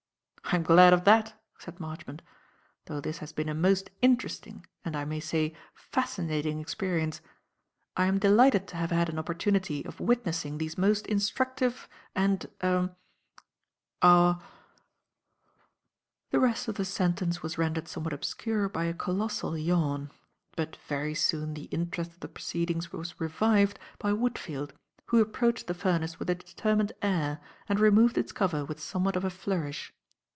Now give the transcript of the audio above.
"I'm glad of that," said Marchmont, "though this has been a most interesting, and I may say, fascinating experience. I am delighted to have had an opportunity of witnessing these most instructive and er aw " The rest of the sentence was rendered somewhat obscure by a colossal yawn; but very soon the interest of the proceedings was revived by Woodfield, who approached the furnace with a determined air and removed its cover with somewhat of a flourish.